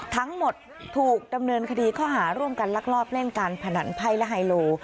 ทั้งหมดถูกดำเนินคดีข้อหาร่วมกันลักลอบเล่นการพนันไพ่และไฮโล